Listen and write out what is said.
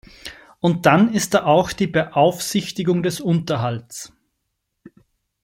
Und dann ist da auch die Beaufsichtigung des Unterhalts.